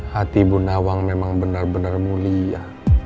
hati bu nawang memang benar benar mulia